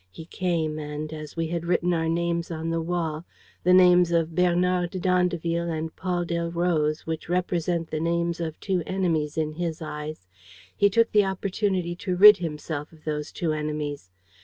He came and, as we had written our names on the wall, the names of Bernard d'Andeville and Paul Delroze which represent the names of two enemies in his eyes, he took the opportunity to rid himself of those two enemies.